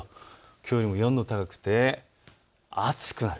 きょうよりも４度高くて暑くなる。